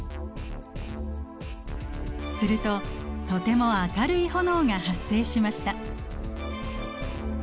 するととても明るい炎が発生しました。